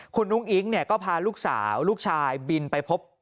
คุณอุ้งอิ๊งเนี่ยก็พาลูกสาวลูกชายบินไปพบ